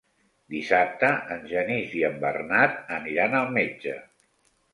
Dissabte en Genís i en Bernat aniran al metge.